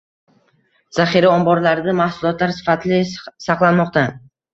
Zaxira omborlarida mahsulotlar sifatli saqlanmoqda